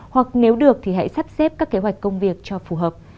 hoặc nếu được thì hãy sắp xếp các kế hoạch công việc cho phù hợp